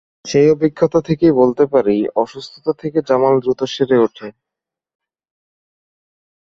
সেই অভিজ্ঞতা থেকে বলতে পারি, অসুস্থতা থেকে জামাল দ্রুত সেরে ওঠে।